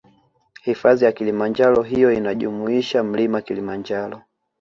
Hifadhi ya kilimanjaro hiyo inajumuisha mlima kilimanjaro